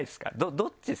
どっちですか？